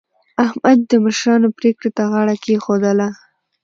احمد د مشرانو پرېکړې ته غاړه کېښودله.